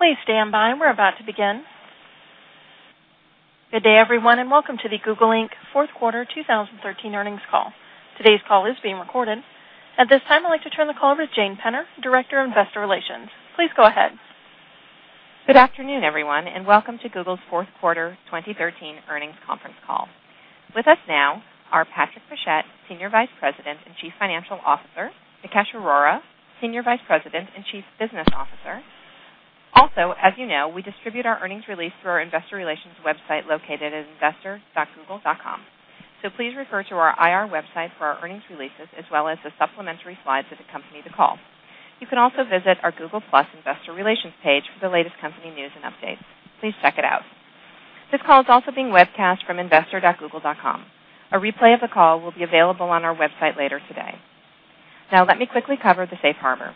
Please stand by. We're about to begin. Good day, everyone, and welcome to the Google Inc. Fourth Quarter 2013 earnings call. Today's call is being recorded. At this time, I'd like to turn the call over to Jane Penner, Director of Investor Relations. Please go ahead. Good afternoon, everyone, and welcome to Google's Fourth Quarter 2013 earnings conference call. With us now are Patrick Pichette, Senior Vice President and Chief Financial Officer. Nikesh Arora, Senior Vice President and Chief Business Officer. Also, as you know, we distribute our earnings release through our Investor Relations website located at investor.google.com. So please refer to our IR website for our earnings releases, as well as the supplementary slides that accompany the call. You can also visit our Google+ Investor Relations page for the latest company news and updates. Please check it out. This call is also being webcast from investor.google.com. A replay of the call will be available on our website later today. Now, let me quickly cover the safe harbor.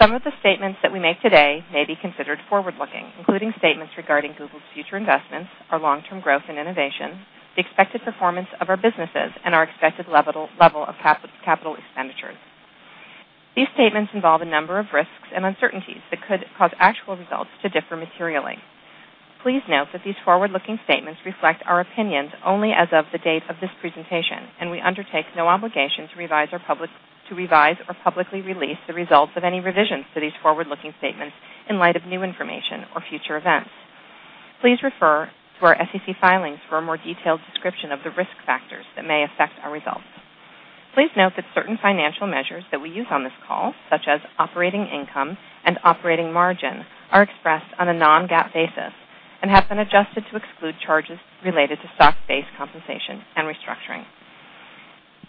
Some of the statements that we make today may be considered forward-looking, including statements regarding Google's future investments, our long-term growth and innovation, the expected performance of our businesses, and our expected level of capital expenditures. These statements involve a number of risks and uncertainties that could cause actual results to differ materially. Please note that these forward-looking statements reflect our opinions only as of the date of this presentation, and we undertake no obligation to revise or publicly release the results of any revisions to these forward-looking statements in light of new information or future events. Please refer to our SEC filings for a more detailed description of the risk factors that may affect our results. Please note that certain financial measures that we use on this call, such as operating income and operating margin, are expressed on a non-GAAP basis and have been adjusted to exclude charges related to stock-based compensation and restructuring.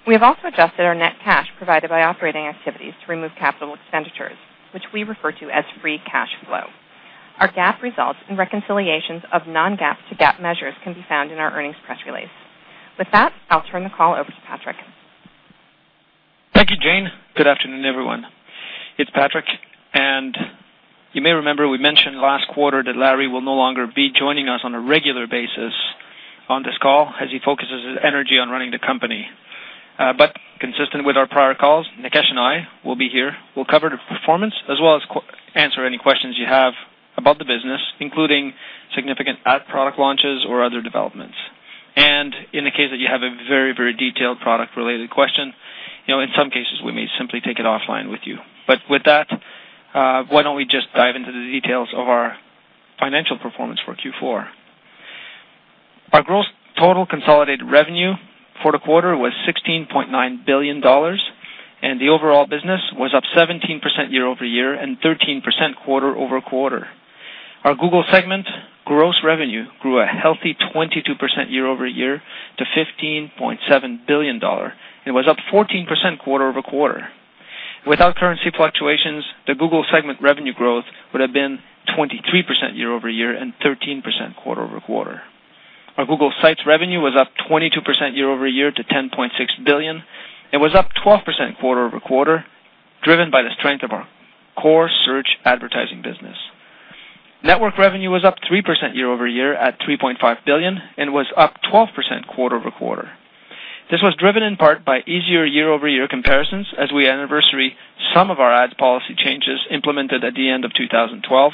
We have also adjusted our net cash provided by operating activities to remove capital expenditures, which we refer to as free cash flow. Our GAAP results and reconciliations of non-GAAP to GAAP measures can be found in our earnings press release. With that, I'll turn the call over to Patrick. Thank you, Jane. Good afternoon, everyone. It's Patrick, and you may remember we mentioned last quarter that Larry will no longer be joining us on a regular basis on this call, as he focuses his energy on running the company. But consistent with our prior calls, Nikesh and I will be here. We'll cover the performance, as well as answer any questions you have about the business, including significant product launches or other developments. And in the case that you have a very, very detailed product-related question, in some cases, we may simply take it offline with you. But with that, why don't we just dive into the details of our financial performance for Q4? Our gross total consolidated revenue for the quarter was $16.9 billion, and the overall business was up 17% year over year and 13% quarter over quarter. Our Google segment gross revenue grew a healthy 22% year over year to $15.7 billion and was up 14% quarter over quarter. Without currency fluctuations, the Google segment revenue growth would have been 23% year over year and 13% quarter over quarter. Our Google websites revenue was up 22% year over year to $10.6 billion and was up 12% quarter over quarter, driven by the strength of our core search advertising business. Network revenue was up 3% year over year at $3.5 billion and was up 12% quarter over quarter. This was driven in part by easier year over year comparisons, as we anniversary some of our ads policy changes implemented at the end of 2012,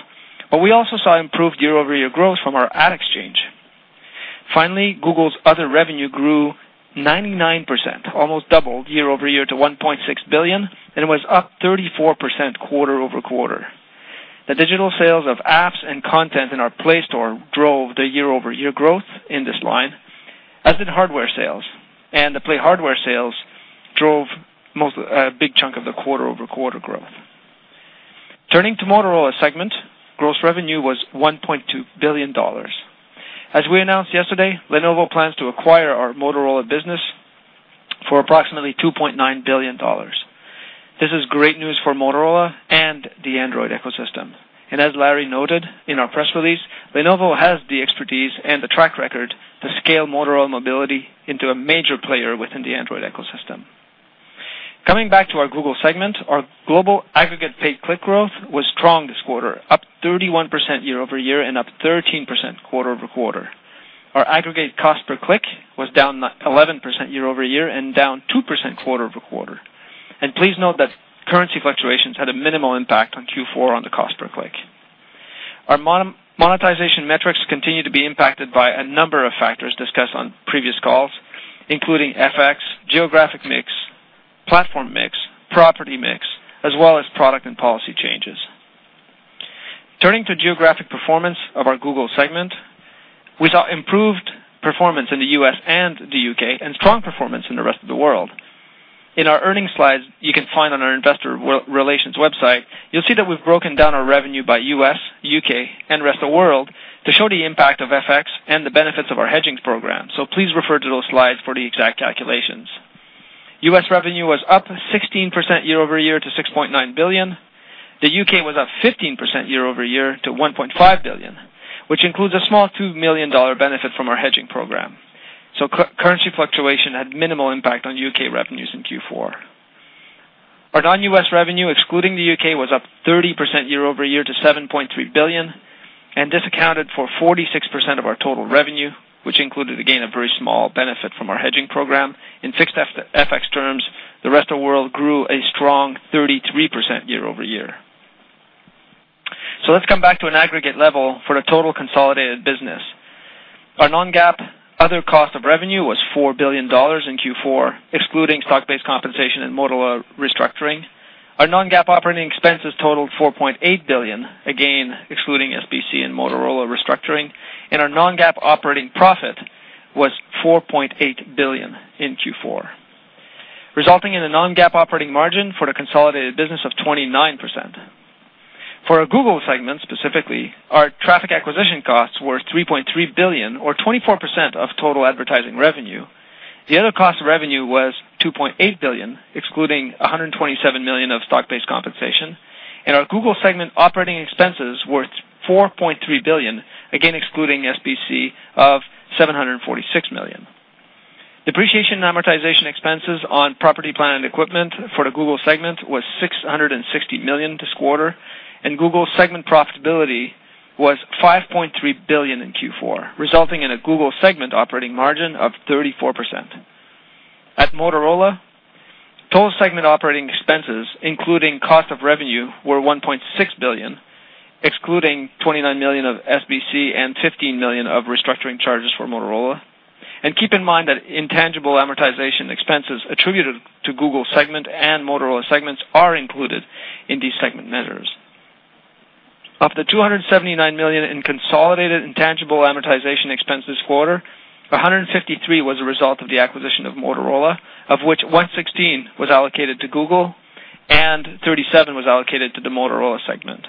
but we also saw improved year over year growth from our Ad Exchange. Finally, Google's other revenue grew 99%, almost doubled year over year to $1.6 billion, and was up 34% quarter over quarter. The digital sales of apps and content in our Play Store drove the year over year growth in this line, as did hardware sales, and the Play hardware sales drove a big chunk of the quarter over quarter growth. Turning to Motorola segment, gross revenue was $1.2 billion. As we announced yesterday, Lenovo plans to acquire our Motorola business for approximately $2.9 billion. This is great news for Motorola and the Android ecosystem, and as Larry noted in our press release, Lenovo has the expertise and the track record to scale Motorola Mobility into a major player within the Android ecosystem. Coming back to our Google segment, our global aggregate paid click growth was strong this quarter, up 31% year over year and up 13% quarter over quarter. Our aggregate cost per click was down 11% year over year and down 2% quarter over quarter. Please note that currency fluctuations had a minimal impact on Q4 on the cost per click. Our monetization metrics continue to be impacted by a number of factors discussed on previous calls, including FX, geographic mix, platform mix, property mix, as well as product and policy changes. Turning to geographic performance of our Google segment, we saw improved performance in the U.S. and the U.K., and strong performance in the rest of the world. In our earnings slides you can find on our Investor Relations website, you'll see that we've broken down our revenue by U.S., U.K., and rest of the world to show the impact of FX and the benefits of our hedging program. Please refer to those slides for the exact calculations. U.S. revenue was up 16% year over year to $6.9 billion. The U.K. was up 15% year over year to $1.5 billion, which includes a small $2 million benefit from our hedging program. So currency fluctuation had minimal impact on U.K. revenues in Q4. Our non-U.S. revenue, excluding the U.K., was up 30% year over year to $7.3 billion, and accounted for 46% of our total revenue, which included again a very small benefit from our hedging program. In fixed FX terms, the rest of the world grew a strong 33% year over year. So let's come back to an aggregate level for the total consolidated business. Our non-GAAP other cost of revenue was $4 billion in Q4, excluding stock-based compensation and Motorola restructuring. Our non-GAAP operating expenses totaled $4.8 billion, again excluding SBC and Motorola restructuring, and our non-GAAP operating profit was $4.8 billion in Q4, resulting in a non-GAAP operating margin for the consolidated business of 29%. For our Google segment specifically, our traffic acquisition costs were $3.3 billion, or 24% of total advertising revenue. The other cost of revenue was $2.8 billion, excluding $127 million of stock-based compensation, and our Google segment operating expenses were $4.3 billion, again excluding SBC, of $746 million. Depreciation and amortization expenses on property, plant, and equipment for the Google segment were $660 million this quarter, and Google segment profitability was $5.3 billion in Q4, resulting in a Google segment operating margin of 34%. At Motorola, total segment operating expenses, including cost of revenue, were $1.6 billion, excluding $29 million of SBC and $15 million of restructuring charges for Motorola, and keep in mind that intangible amortization expenses attributed to Google segment and Motorola segments are included in these segment measures. Of the $279 million in consolidated intangible amortization expenses quarter, $153 million was a result of the acquisition of Motorola, of which $116 million was allocated to Google and $37 million was allocated to the Motorola segment.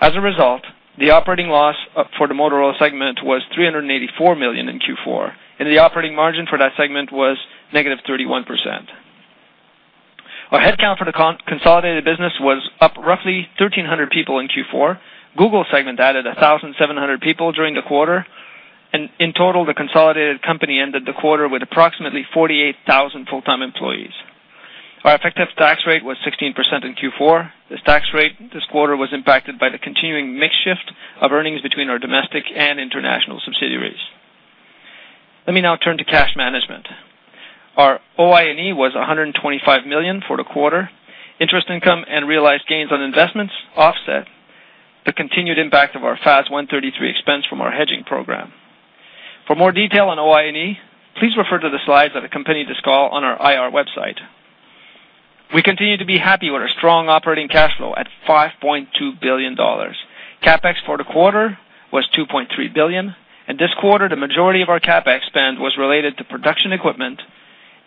As a result, the operating loss for the Motorola segment was $384 million in Q4, and the operating margin for that segment was negative 31%. Our headcount for the consolidated business was up roughly 1,300 people in Q4. Google segment added 1,700 people during the quarter, and in total, the consolidated company ended the quarter with approximately 48,000 full-time employees. Our effective tax rate was 16% in Q4. This tax rate this quarter was impacted by the continuing mix of earnings between our domestic and international subsidiaries. Let me now turn to cash management. Our OI&E was $125 million for the quarter. Interest income and realized gains on investments offset the continued impact of our FAS 133 expense from our hedging program. For more detail on OI&E, please refer to the slides that accompany this call on our IR website. We continue to be happy with our strong operating cash flow at $5.2 billion. CapEx for the quarter was $2.3 billion, and this quarter, the majority of our CapEx spend was related to production equipment,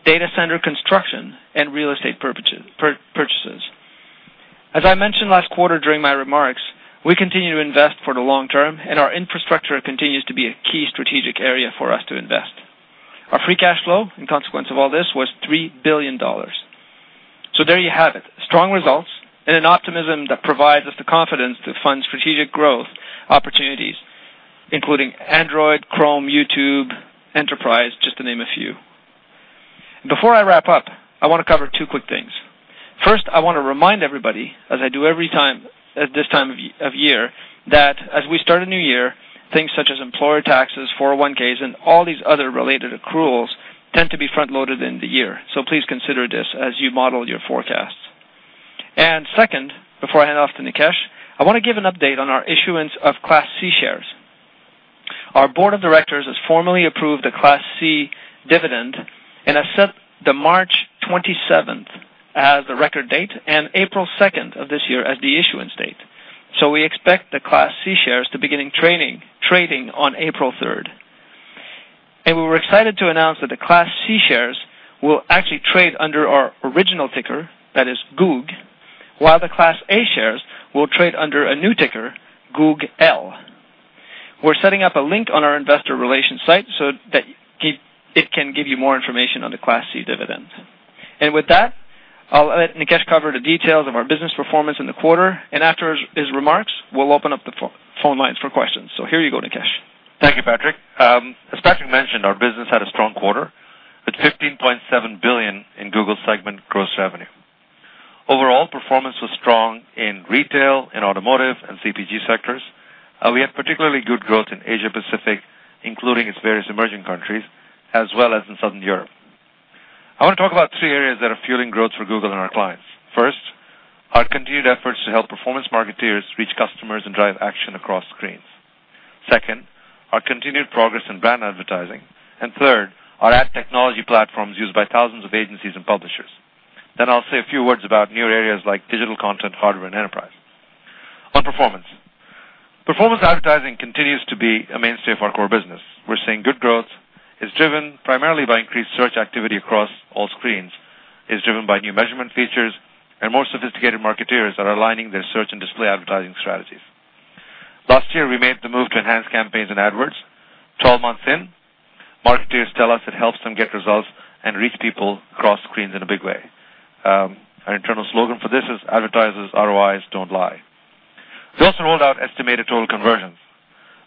data center construction, and real estate purchases. As I mentioned last quarter during my remarks, we continue to invest for the long term, and our infrastructure continues to be a key strategic area for us to invest. Our free cash flow, in consequence of all this, was $3 billion. So there you have it: strong results and an optimism that provides us the confidence to fund strategic growth opportunities, including Android, Chrome, YouTube, Enterprise, just to name a few. Before I wrap up, I want to cover two quick things. First, I want to remind everybody, as I do every time at this time of year, that as we start a new year, things such as employer taxes, 401(k)s, and all these other related accruals tend to be front-loaded in the year. So please consider this as you model your forecasts. And second, before I hand off to Nikesh, I want to give an update on our issuance of Class C shares. Our Board of Directors has formally approved the Class C dividend and has set March 27 as the record date and April 2 of this year as the issuance date. We expect the Class C shares to begin trading on April 3. We were excited to announce that the Class C shares will actually trade under our original ticker, that is GOOG, while the Class A shares will trade under a new ticker, GOOGL. We're setting up a link on our Investor Relations site so that it can give you more information on the Class C dividend. With that, I'll let Nikesh cover the details of our business performance in the quarter, and after his remarks, we'll open up the phone lines for questions. Here you go, Nikesh. Thank you, Patrick. As Patrick mentioned, our business had a strong quarter with $15.7 billion in Google segment gross revenue. Overall, performance was strong in retail, automotive, and CPG sectors. We had particularly good growth in Asia-Pacific, including its various emerging countries, as well as in Southern Europe. I want to talk about three areas that are fueling growth for Google and our clients. First, our continued efforts to help performance marketers reach customers and drive action across screens. Second, our continued progress in brand advertising. And third, our ad technology platforms used by thousands of agencies and publishers. Then I'll say a few words about new areas like digital content, hardware, and enterprise. On performance, performance advertising continues to be a mainstay of our core business. We're seeing good growth. It's driven primarily by increased search activity across all screens. It's driven by new measurement features and more sophisticated marketers that are aligning their search and display advertising strategies. Last year, we made the move to enhance campaigns and ads. Twelve months in, marketers tell us it helps them get results and reach people across screens in a big way. Our internal slogan for this is, "Advertisers' ROIs don't lie." We also rolled out Estimated Total Conversions.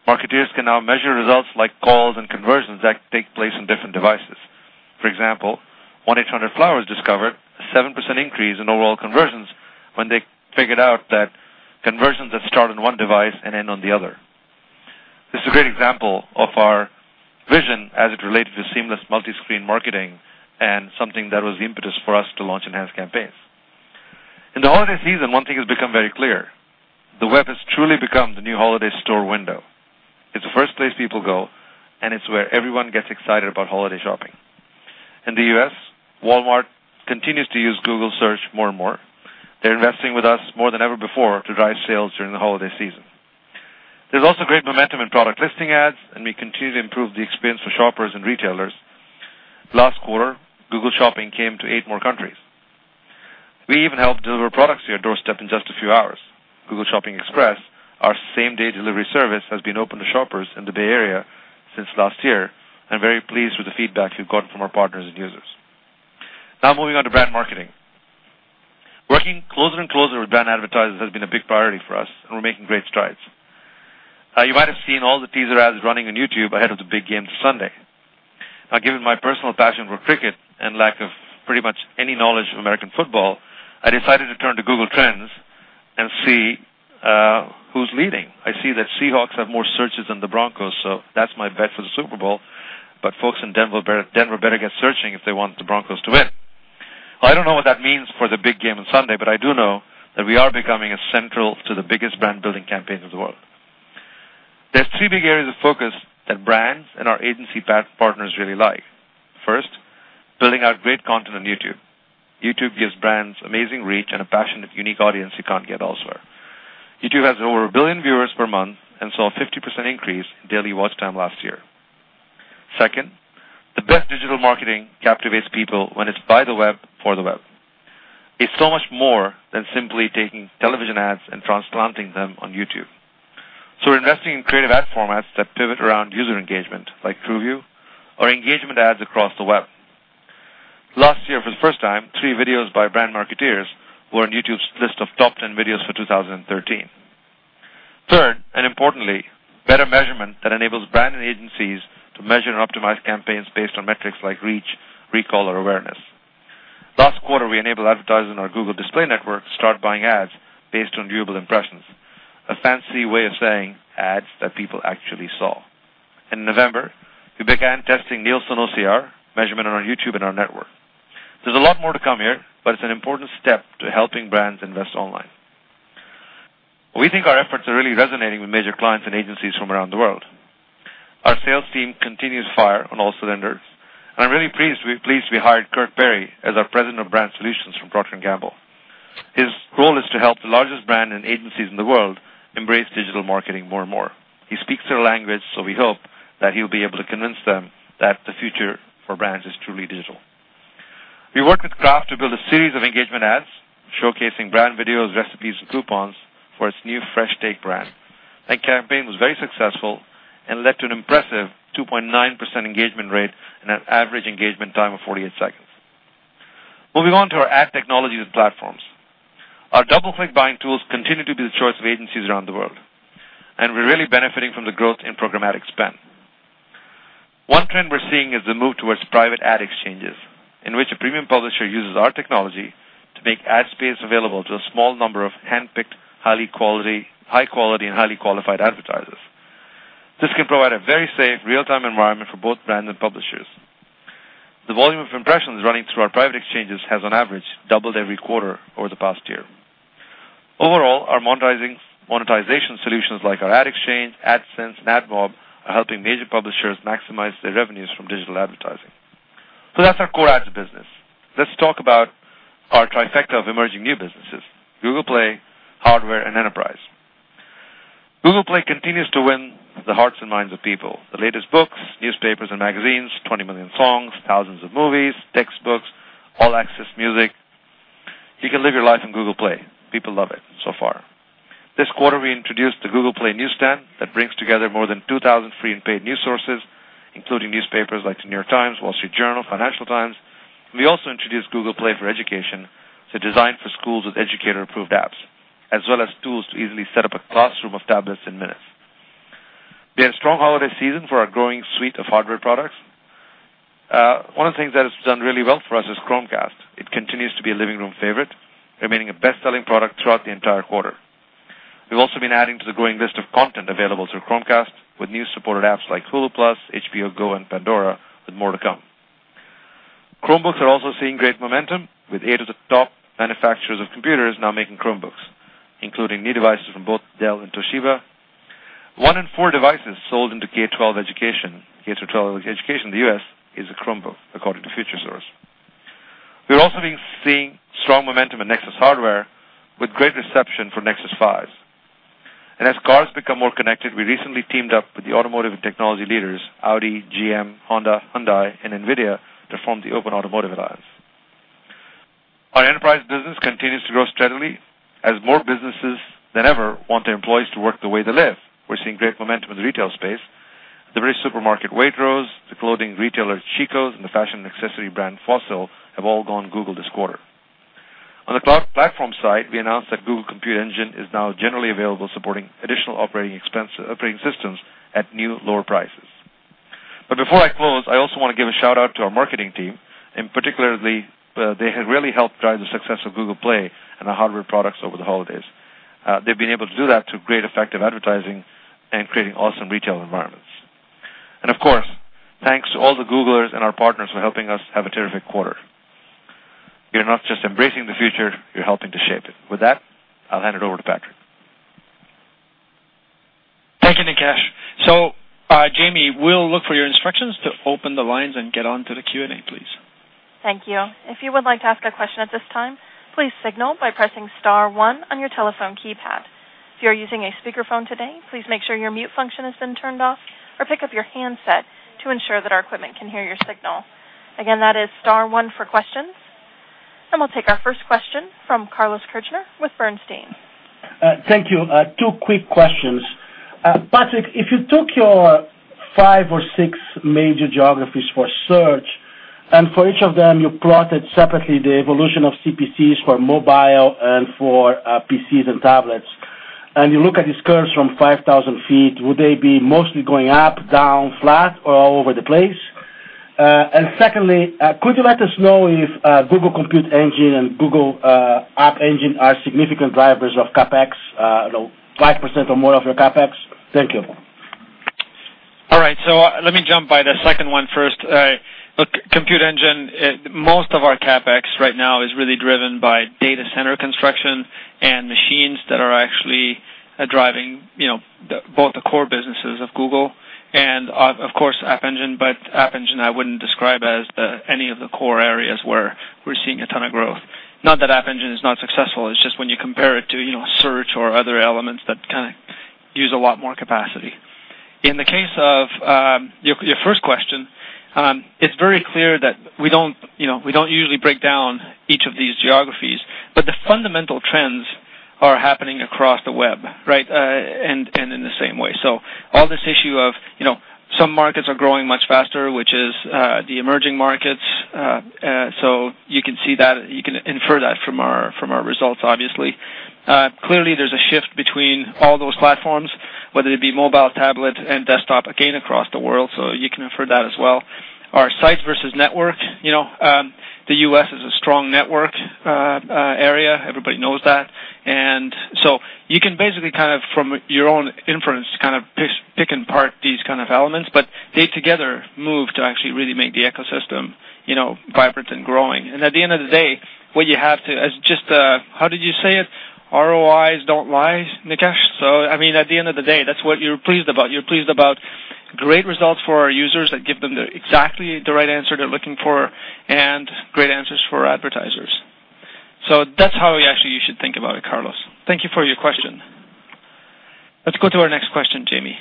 Marketers can now measure results like calls and conversions that take place on different devices. For example, 1-800-FLOWERS discovered a 7% increase in overall conversions when they figured out that conversions that start on one device and end on the other. This is a great example of our vision as it relates to seamless multi-screen marketing and something that was the impetus for us to launch Enhanced Campaigns. In the holiday season, one thing has become very clear. The web has truly become the new holiday store window. It's the first place people go, and it's where everyone gets excited about holiday shopping. In the U.S., Walmart continues to use Google Search more and more. They're investing with us more than ever before to drive sales during the holiday season. There's also great momentum in Product Listing Ads, and we continue to improve the experience for shoppers and retailers. Last quarter, Google Shopping came to eight more countries. We even helped deliver products to your doorstep in just a few hours. Google Shopping Express, our same-day delivery service, has been open to shoppers in the Bay Area since last year and very pleased with the feedback we've gotten from our partners and users. Now, moving on to brand marketing. Working closer and closer with brand advertisers has been a big priority for us, and we're making great strides. You might have seen all the teaser ads running on YouTube ahead of the big game this Sunday. Now, given my personal passion for cricket and lack of pretty much any knowledge of American football, I decided to turn to Google Trends and see who's leading. I see that Seahawks have more searches than the Broncos, so that's my bet for the Super Bowl, but folks in Denver better get searching if they want the Broncos to win. I don't know what that means for the big game on Sunday, but I do know that we are becoming central to the biggest brand-building campaigns of the world. There are three big areas of focus that brands and our agency partners really like. First, building out great content on YouTube. YouTube gives brands amazing reach and a passionate, unique audience you can't get elsewhere. YouTube has over a billion viewers per month and saw a 50% increase in daily watch time last year. Second, the best digital marketing captivates people when it's by the web for the web. It's so much more than simply taking television ads and transplanting them on YouTube. So we're investing in creative ad formats that pivot around user engagement, like TrueView, or Engagement Ads across the web. Last year, for the first time, three videos by brand marketers were on YouTube's list of top 10 videos for 2013. Third, and importantly, better measurement that enables brand and agencies to measure and optimize campaigns based on metrics like reach, recall, or awareness. Last quarter, we enabled advertisers in our Google Display Network to start buying ads based on viewable impressions, a fancy way of saying ads that people actually saw. In November, we began testing Nielsen OCR measurement on our YouTube and our network. There's a lot more to come here, but it's an important step to helping brands invest online. We think our efforts are really resonating with major clients and agencies from around the world. Our sales team continues to fire on all cylinders, and I'm really pleased we hired Kirk Perry as our President of Brand Solutions from Procter & Gamble. His role is to help the largest brands and agencies in the world embrace digital marketing more and more. He speaks their language, so we hope that he'll be able to convince them that the future for brands is truly digital. We worked with Kraft to build a series of engagement ads showcasing brand videos, recipes, and coupons for its new Fresh Take brand. That campaign was very successful and led to an impressive 2.9% engagement rate and an average engagement time of 48 seconds. Moving on to our ad technologies and platforms. Our DoubleClick buying tools continue to be the choice of agencies around the world, and we're really benefiting from the growth in programmatic spend. One trend we're seeing is the move towards private ad exchanges, in which a premium publisher uses our technology to make ad space available to a small number of handpicked, high-quality, and highly qualified advertisers. This can provide a very safe, real-time environment for both brands and publishers. The volume of impressions running through our private exchanges has, on average, doubled every quarter over the past year. Overall, our monetization solutions like our ad exchange, AdSense, and AdMob are helping major publishers maximize their revenues from digital advertising. So that's our core ads business. Let's talk about our trifecta of emerging new businesses: Google Play, hardware, and enterprise. Google Play continues to win the hearts and minds of people: the latest books, newspapers, and magazines, 20 million songs, thousands of movies, textbooks, All Access music. You can live your life on Google Play. People love it so far. This quarter, we introduced the Google Play Newsstand that brings together more than 2,000 free and paid news sources, including newspapers like The New York Times, The Wall Street Journal, and The Financial Times. We also introduced Google Play for Education, designed for schools with educator-approved apps, as well as tools to easily set up a classroom of tablets in minutes. We had a strong holiday season for our growing suite of hardware products. One of the things that has done really well for us is Chromecast. It continues to be a living room favorite, remaining a best-selling product throughout the entire quarter. We've also been adding to the growing list of content available through Chromecast, with new supported apps like Hulu Plus, HBO Go, and Pandora, with more to come. Chromebooks are also seeing great momentum, with eight of the top manufacturers of computers now making Chromebooks, including new devices from both Dell and Toshiba. One in four devices sold into K-12 education in the U.S. is a Chromebook, according to Futuresource. We're also seeing strong momentum in Nexus hardware, with great reception for Nexus 5s, and as cars become more connected, we recently teamed up with the automotive and technology leaders: Audi, GM, Honda, Hyundai, and NVIDIA to form the Open Automotive Alliance. Our enterprise business continues to grow steadily, as more businesses than ever want their employees to work the way they live. We're seeing great momentum in the retail space. The British supermarket Waitrose, the clothing retailer Chico's, and the fashion accessory brand Fossil have all gone Google this quarter. On the Cloud Platform side, we announced that Google Compute Engine is now generally available, supporting additional operating systems at new, lower prices. But before I close, I also want to give a shout-out to our marketing team, in particular, as they have really helped drive the success of Google Play and our hardware products over the holidays. They've been able to do that through great effective advertising and creating awesome retail environments. And of course, thanks to all the Googlers and our partners for helping us have a terrific quarter. You're not just embracing the future; you're helping to shape it. With that, I'll hand it over to Patrick. Thank you, Nikesh. So Jamie, we'll look for your instructions to open the lines and get on to the Q&A, please. Thank you. If you would like to ask a question at this time, please signal by pressing Star 1 on your telephone keypad. If you're using a speakerphone today, please make sure your mute function has been turned off or pick up your handset to ensure that our equipment can hear your signal. Again, that is Star 1 for questions. And we'll take our first question from Carlos Kirjner with Bernstein. Thank you. Two quick questions. Patrick, if you took your five or six major geographies for search, and for each of them, you plotted separately the evolution of CPCs for mobile and for PCs and tablets, and you look at this curve from 5,000 feet, would they be mostly going up, down, flat, or all over the place? And secondly, could you let us know if Google Compute Engine and Google App Engine are significant drivers of CapEx, 5% or more of your CapEx? Thank you. All right. So let me jump by the second one first. Compute Engine, most of our CapEx right now is really driven by data center construction and machines that are actually driving both the core businesses of Google and, of course, App Engine. But App Engine, I wouldn't describe as any of the core areas where we're seeing a ton of growth. Not that App Engine is not successful. It's just when you compare it to Search or other elements that kind of use a lot more capacity. In the case of your first question, it's very clear that we don't usually break down each of these geographies, but the fundamental trends are happening across the web, right, and in the same way. So all this issue of some markets are growing much faster, which is the emerging markets, so you can see that. You can infer that from our results, obviously. Clearly, there's a shift between all those platforms, whether it be mobile, tablet, and desktop, again, across the world, so you can infer that as well. Our sites versus network, the U.S. is a strong network area. Everybody knows that, and so you can basically kind of, from your own inference, kind of pick apart these kind of elements, but they together move to actually really make the ecosystem vibrant and growing. And at the end of the day, what you have to. How did you say it? ROIs don't lie, Nikesh. So I mean, at the end of the day, that's what you're pleased about. You're pleased about great results for our users that give them exactly the right answer they're looking for and great answers for advertisers. So that's how actually you should think about it, Carlos. Thank you for your question. Let's go to our next question, Jamie.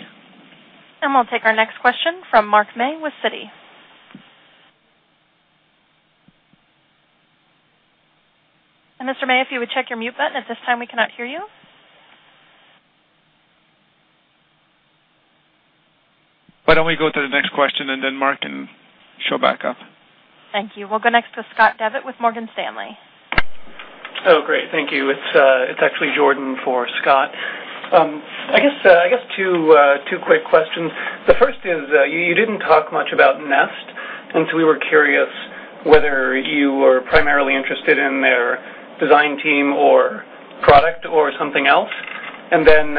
We'll take our next question from Mark May with Citi. Mr. May, if you would check your mute button. At this time, we cannot hear you. Why don't we go to the next question and then Mark can show back up? Thank you. We'll go next to Scott Devitt with Morgan Stanley. Oh, great. Thank you. It's actually Jordan for Scott. I guess two quick questions. The first is, you didn't talk much about Nest, and so we were curious whether you were primarily interested in their design team or product or something else. And then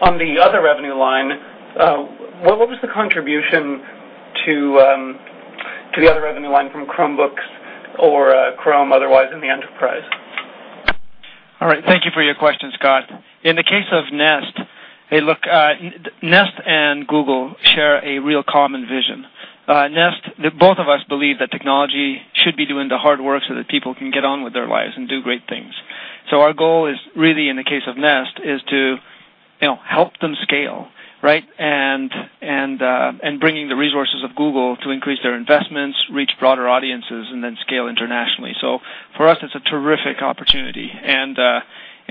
on the other revenue line, what was the contribution to the other revenue line from Chromebooks or Chrome otherwise in the enterprise? All right. Thank you for your question, Scott. In the case of Nest, look, Nest and Google share a real common vision. Both of us believe that technology should be doing the hard work so that people can get on with their lives and do great things. So our goal is really, in the case of Nest, is to help them scale, right, and bringing the resources of Google to increase their investments, reach broader audiences, and then scale internationally. So for us, it's a terrific opportunity. And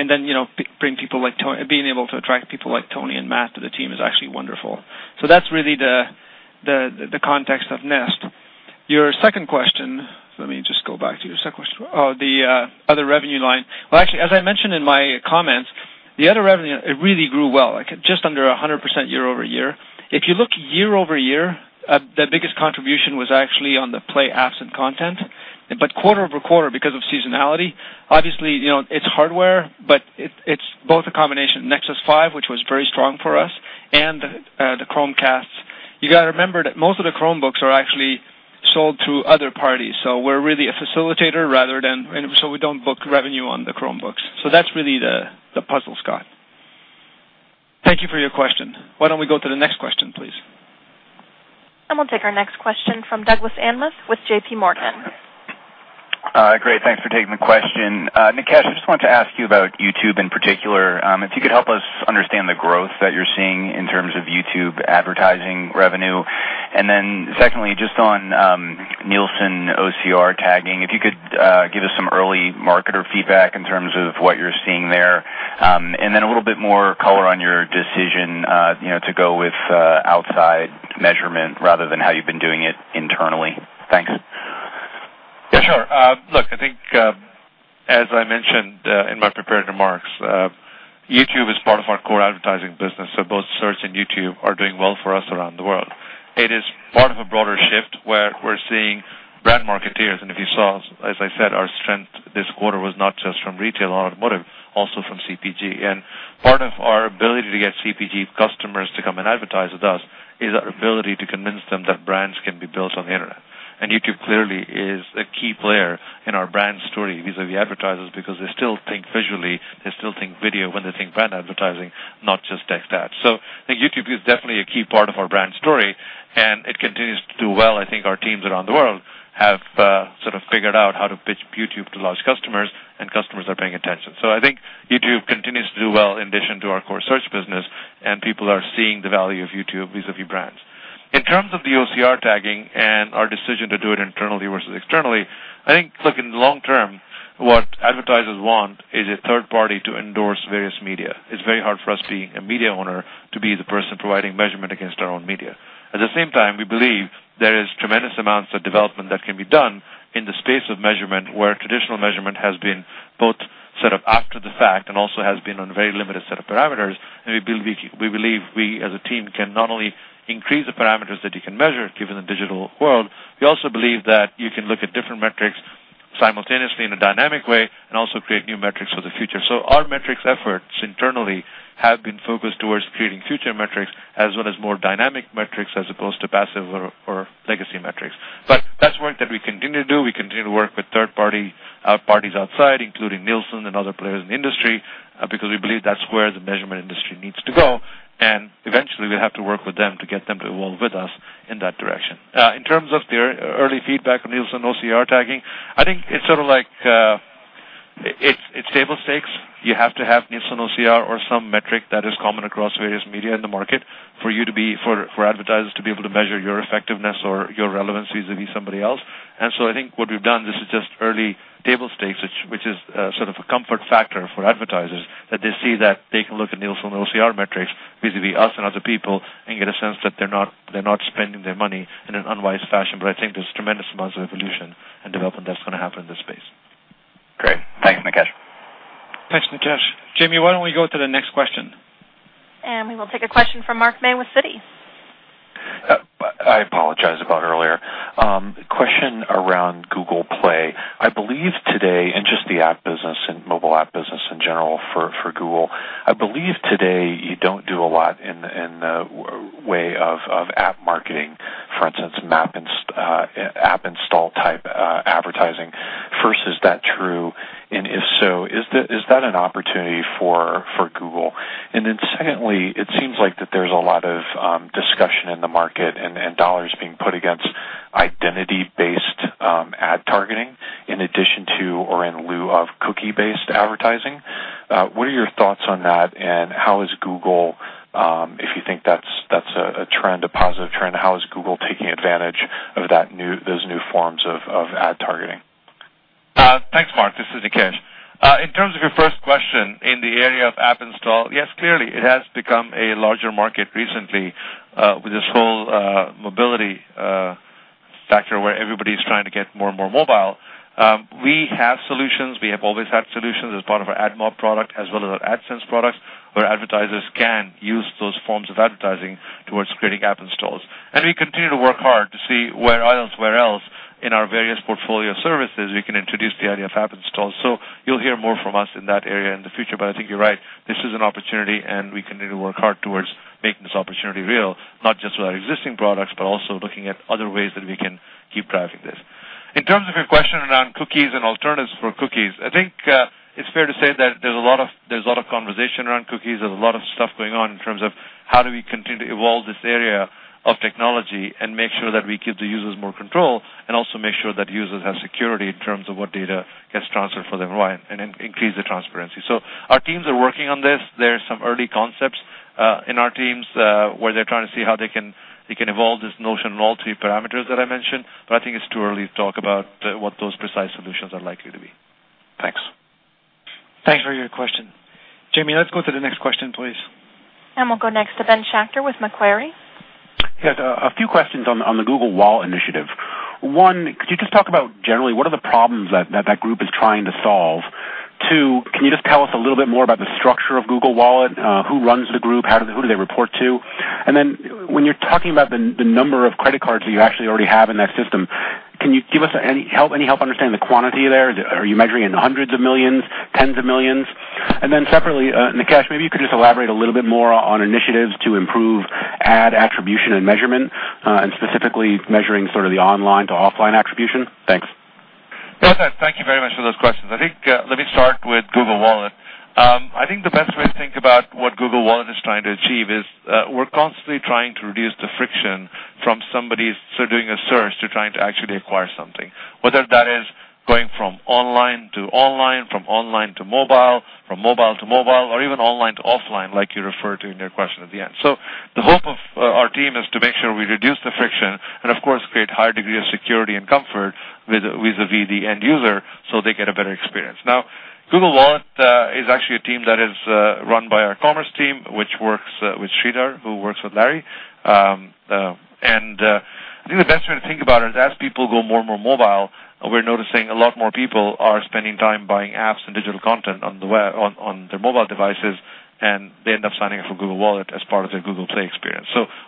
then being able to attract people like Tony and Matt to the team is actually wonderful. So that's really the context of Nest. Your second question, let me just go back to your second question, the other revenue line. Well, actually, as I mentioned in my comments, the other revenue really grew well, just under 100% year over year. If you look year over year, the biggest contribution was actually on the Play apps and content. But quarter over quarter, because of seasonality, obviously, it's hardware, but it's both a combination: Nexus 5, which was very strong for us, and the Chromecasts. You got to remember that most of the Chromebooks are actually sold through other parties, so we're really a facilitator rather than so we don't book revenue on the Chromebooks. So that's really the puzzle, Scott. Thank you for your question. Why don't we go to the next question, please? We'll take our next question from Douglas Anmuth with JPMorgan. Great. Thanks for taking the question. Nikesh, I just wanted to ask you about YouTube in particular, if you could help us understand the growth that you're seeing in terms of YouTube advertising revenue. And then secondly, just on Nielsen OCR tagging, if you could give us some early marketer feedback in terms of what you're seeing there, and then a little bit more color on your decision to go with outside measurement rather than how you've been doing it internally. Thanks. Yeah, sure. Look, I think, as I mentioned in my prepared remarks, YouTube is part of our core advertising business, so both Search and YouTube are doing well for us around the world. It is part of a broader shift where we're seeing brand marketers, and if you saw, as I said, our strength this quarter was not just from retail automotive, also from CPG, and part of our ability to get CPG customers to come and advertise with us is our ability to convince them that brands can be built on the internet, and YouTube clearly is a key player in our brand story vis-à-vis advertisers because they still think visually, they still think video when they think brand advertising, not just text ads, so I think YouTube is definitely a key part of our brand story, and it continues to do well. I think our teams around the world have sort of figured out how to pitch YouTube to large customers, and customers are paying attention. So I think YouTube continues to do well in addition to our core search business, and people are seeing the value of YouTube vis-à-vis brands. In terms of the OCR tagging and our decision to do it internally versus externally, I think, look, in the long term, what advertisers want is a third party to endorse various media. It's very hard for us, being a media owner, to be the person providing measurement against our own media. At the same time, we believe there is tremendous amounts of development that can be done in the space of measurement, where traditional measurement has been both sort of after the fact and also has been on very limited set of parameters. And we believe we, as a team, can not only increase the parameters that you can measure, given the digital world. We also believe that you can look at different metrics simultaneously in a dynamic way and also create new metrics for the future. So our metrics efforts internally have been focused towards creating future metrics as well as more dynamic metrics as opposed to passive or legacy metrics. But that's work that we continue to do. We continue to work with third parties outside, including Nielsen and other players in the industry, because we believe that's where the measurement industry needs to go. And eventually, we'll have to work with them to get them to evolve with us in that direction. In terms of the early feedback on Nielsen OCR tagging, I think it's sort of like it's table stakes. You have to have Nielsen OCR or some metric that is common across various media in the market for advertisers to be able to measure your effectiveness or your relevance vis-à-vis somebody else, and so I think what we've done, this is just early table stakes, which is sort of a comfort factor for advertisers, that they see that they can look at Nielsen OCR metrics vis-à-vis us and other people and get a sense that they're not spending their money in an unwise fashion. But I think there's tremendous amounts of evolution and development that's going to happen in this space. Great. Thanks, Nikesh. Thanks, Nikesh. Jamie, why don't we go to the next question? And we will take a question from Mark May with Citi. I apologize about earlier. Question around Google Play. I believe today, in just the app business and mobile app business in general for Google, I believe today you don't do a lot in the way of app marketing, for instance, app install type advertising. First, is that true? And if so, is that an opportunity for Google? And then secondly, it seems like that there's a lot of discussion in the market and dollars being put against identity-based ad targeting in addition to or in lieu of cookie-based advertising. What are your thoughts on that, and how is Google, if you think that's a trend, a positive trend, how is Google taking advantage of those new forms of ad targeting? Thanks, Mark. This is Nikesh. In terms of your first question in the area of app install, yes, clearly, it has become a larger market recently with this whole mobility factor where everybody's trying to get more and more mobile. We have solutions. We have always had solutions as part of our AdMob product as well as our AdSense products, where advertisers can use those forms of advertising towards creating app installs. And we continue to work hard to see where else, where else in our various portfolio services we can introduce the idea of app installs. So you'll hear more from us in that area in the future. But I think you're right. This is an opportunity, and we continue to work hard towards making this opportunity real, not just with our existing products, but also looking at other ways that we can keep driving this. In terms of your question around cookies and alternatives for cookies, I think it's fair to say that there's a lot of conversation around cookies. There's a lot of stuff going on in terms of how do we continue to evolve this area of technology and make sure that we give the users more control and also make sure that users have security in terms of what data gets transferred for them and increase the transparency. So our teams are working on this. There are some early concepts in our teams where they're trying to see how they can evolve this notion and all three parameters that I mentioned. But I think it's too early to talk about what those precise solutions are likely to be. Thanks. Thanks for your question. Jane, let's go to the next question, please. And we'll go next to Ben Schachter with Macquarie. He has a few questions on the Google Wallet initiative. One, could you just talk about generally what are the problems that that group is trying to solve? Two, can you just tell us a little bit more about the structure of Google Wallet? Who runs the group? Who do they report to? And then when you're talking about the number of credit cards that you actually already have in that system, can you give us any help understand the quantity there? Are you measuring in hundreds of millions, tens of millions? And then separately, Nikesh, maybe you could just elaborate a little bit more on initiatives to improve ad attribution and measurement, and specifically measuring sort of the online to offline attribution? Thanks. Yeah, thank you very much for those questions. I think let me start with Google Wallet. I think the best way to think about what Google Wallet is trying to achieve is we're constantly trying to reduce the friction from somebody sort of doing a search to trying to actually acquire something, whether that is going from online to online, from online to mobile, from mobile to mobile, or even online to offline, like you referred to in your question at the end. So the hope of our team is to make sure we reduce the friction and, of course, create a higher degree of security and comfort vis-à-vis the end user so they get a better experience. Now, Google Wallet is actually a team that is run by our commerce team, which works with Sridhar, who works with Larry. I think the best way to think about it is as people go more and more mobile, we're noticing a lot more people are spending time buying apps and digital content on their mobile devices, and they end up signing up for Google Wallet as part of their Google Play experience.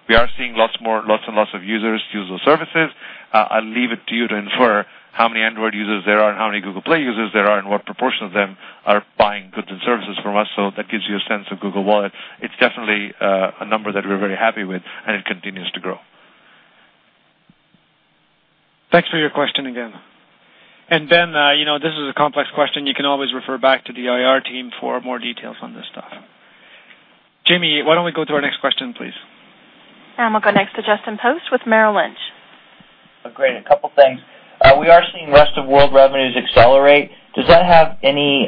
We are seeing lots and lots of users use those services. I'll leave it to you to infer how many Android users there are and how many Google Play users there are and what proportion of them are buying goods and services from us. That gives you a sense of Google Wallet. It's definitely a number that we're very happy with, and it continues to grow. Thanks for your question again. And Ben, this is a complex question. You can always refer back to the IR team for more details on this stuff. Jamie, why don't we go to our next question, please? We'll go next to Justin Post with Merrill Lynch. Great. A couple of things. We are seeing rest of world revenues accelerate. Does that have any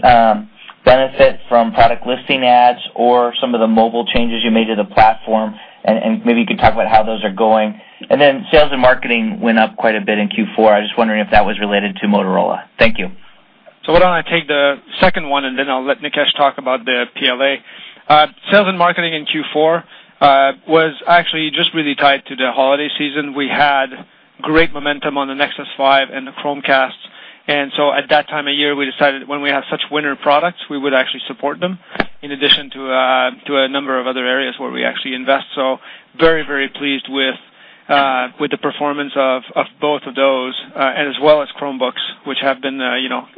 benefit from Product Listing Ads or some of the mobile changes you made to the platform? And maybe you could talk about how those are going. And then sales and marketing went up quite a bit in Q4. I was just wondering if that was related to Motorola. Thank you. So why don't I take the second one, and then I'll let Nikesh talk about the PLA. Sales and marketing in Q4 was actually just really tied to the holiday season. We had great momentum on the Nexus 5 and the Chromecasts. And so at that time of year, we decided when we have such winter products, we would actually support them in addition to a number of other areas where we actually invest. So very, very pleased with the performance of both of those and as well as Chromebooks, which have been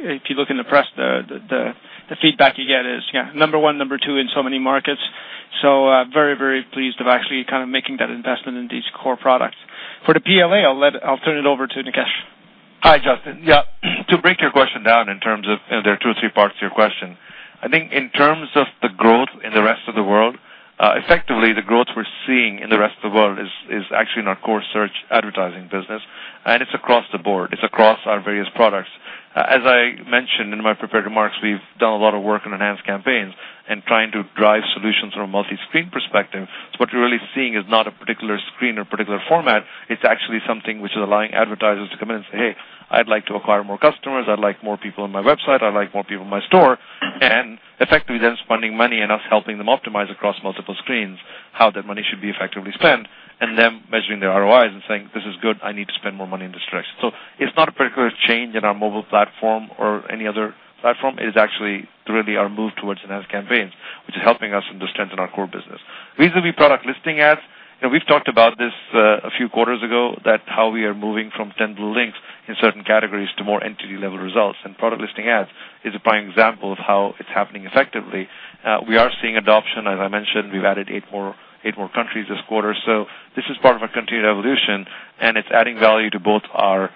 if you look in the press, the feedback you get is, yeah, number one, number two in so many markets. So very, very pleased of actually kind of making that investment in these core products. For the PLA, I'll turn it over to Nikesh. Hi, Justin. Yeah. To break your question down in terms of, there are two or three parts to your question. I think in terms of the growth in the rest of the world, effectively, the growth we're seeing in the rest of the world is actually in our core search advertising business, and it's across the board. It's across our various products. As I mentioned in my prepared remarks, we've done a lot of work on Enhanced Campaigns and trying to drive solutions from a multi-screen perspective, so what you're really seeing is not a particular screen or particular format. It's actually something which is allowing advertisers to come in and say, "Hey, I'd like to acquire more customers. I'd like more people on my website. I'd like more people in my store," and effectively, then spending money and us helping them optimize across multiple screens how that money should be effectively spent and them measuring their ROIs and saying, "This is good. I need to spend more money in this direction." It's not a particular change in our mobile platform or any other platform. It is actually really our move towards Enhanced Campaigns, which is helping us in the strength in our core business. Vis-à-vis Product Listing Ads, we've talked about this a few quarters ago, that how we are moving from 10 blue links in certain categories to more entity-level results. Product Listing Ads is a prime example of how it's happening effectively. We are seeing adoption. As I mentioned, we've added eight more countries this quarter. So this is part of our continued evolution, and it's adding value to both our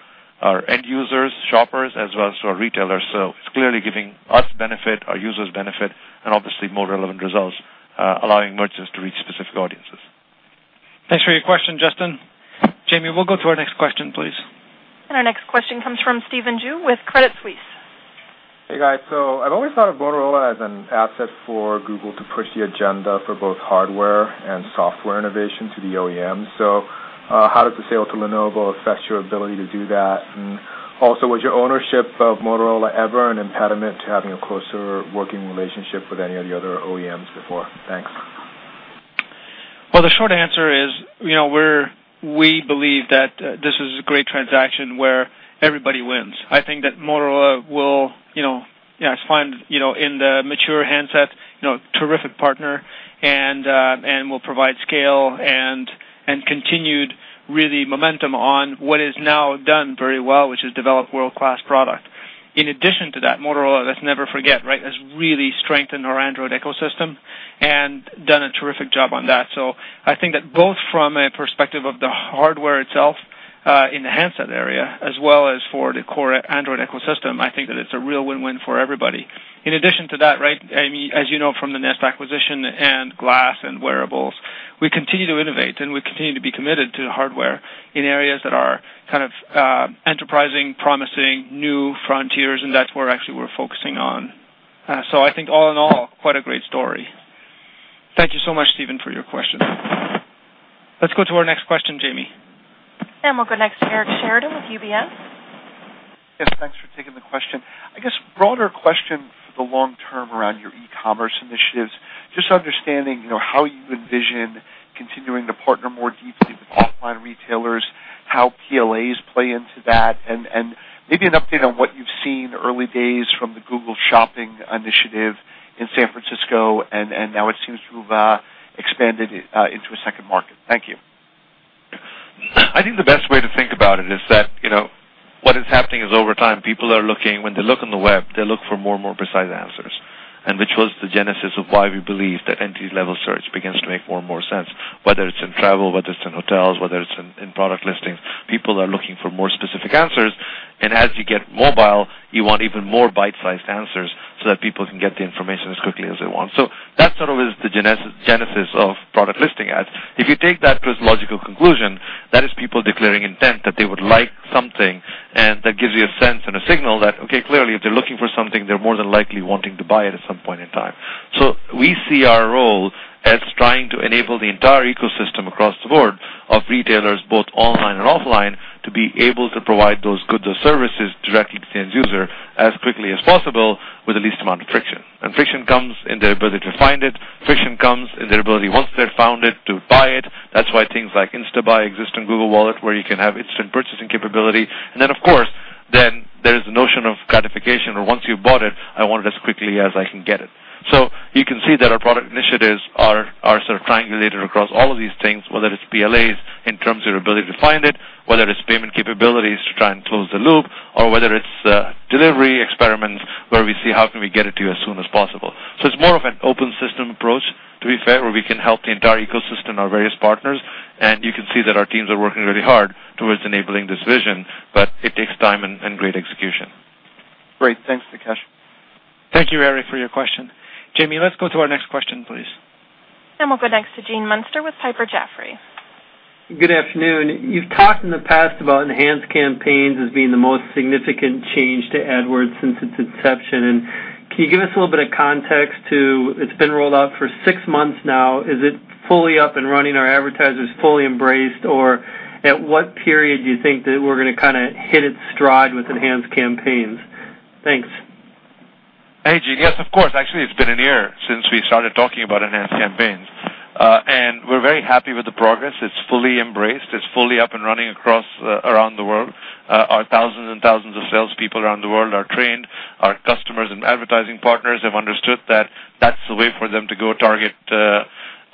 end users, shoppers, as well as to our retailers. So it's clearly giving us benefit, our users benefit, and obviously more relevant results, allowing merchants to reach specific audiences. Thanks for your question, Justin. Jamie, we'll go to our next question, please. Our next question comes from Stephen Ju with Credit Suisse. Hey, guys. So I've always thought of Motorola as an asset for Google to push the agenda for both hardware and software innovation to the OEM. So how does the sale to Lenovo affect your ability to do that? And also, was your ownership of Motorola ever an impediment to having a closer working relationship with any of the other OEMs before? Thanks. The short answer is we believe that this is a great transaction where everybody wins. I think that Motorola will find in the mature handset terrific partner, and will provide scale and continued really momentum on what is now done very well, which is develop world-class product. In addition to that, Motorola, let's never forget, right, has really strengthened our Android ecosystem and done a terrific job on that. I think that both from a perspective of the hardware itself in the handset area as well as for the core Android ecosystem, I think that it's a real win-win for everybody. In addition to that, right, as you know from the Nest acquisition and Glass and wearables, we continue to innovate, and we continue to be committed to hardware in areas that are kind of enterprising, promising, new frontiers, and that's where actually we're focusing on. So I think all in all, quite a great story. Thank you so much, Steven, for your question. Let's go to our next question, Jamie. We'll go next to Eric Sheridan with UBS. Yes, thanks for taking the question. I guess broader question for the long term around your e-commerce initiatives, just understanding how you envision continuing to partner more deeply with offline retailers, how PLAs play into that, and maybe an update on what you've seen early days from the Google Shopping initiative in San Francisco and now it seems to have expanded into a second market. Thank you. I think the best way to think about it is that what is happening is over time, people are looking when they look on the web, they look for more and more precise answers, and which was the genesis of why we believe that entity-level search begins to make more and more sense, whether it's in travel, whether it's in hotels, whether it's in product listings. People are looking for more specific answers, and as you get mobile, you want even more bite-sized answers so that people can get the information as quickly as they want, so that sort of is the genesis of Product Listing Ads. If you take that to its logical conclusion, that is people declaring intent that they would like something, and that gives you a sense and a signal that, okay, clearly, if they're looking for something, they're more than likely wanting to buy it at some point in time. So we see our role as trying to enable the entire ecosystem across the board of retailers, both online and offline, to be able to provide those goods or services directly to the end user as quickly as possible with the least amount of friction, and friction comes in their ability to find it. Friction comes in their ability, once they've found it, to buy it. That's why things like Instant Buy exist in Google Wallet, where you can have instant purchasing capability. Then, of course, then there is the notion of gratification, or once you've bought it, I want it as quickly as I can get it. So you can see that our product initiatives are sort of triangulated across all of these things, whether it's PLAs in terms of your ability to find it, whether it's payment capabilities to try and close the loop, or whether it's delivery experiments where we see how can we get it to you as soon as possible. So it's more of an open system approach, to be fair, where we can help the entire ecosystem and our various partners. And you can see that our teams are working really hard towards enabling this vision, but it takes time and great execution. Great. Thanks, Nikesh. Thank you, Eric, for your question. Jamie, let's go to our next question, please. We'll go next to Gene Munster with Piper Jaffray. Good afternoon. You've talked in the past about Enhanced Campaigns as being the most significant change to AdWords since its inception. And can you give us a little bit of context to it's been rolled out for six months now. Is it fully up and running? Are advertisers fully embraced? Or at what period do you think that we're going to kind of hit its stride with Enhanced Campaigns? Thanks. Hey, Gene. Yes, of course. Actually, it's been a year since we started talking about Enhanced Campaigns. And we're very happy with the progress. It's fully embraced. It's fully up and running around the world. Our thousands and thousands of salespeople around the world are trained. Our customers and advertising partners have understood that that's the way for them to go target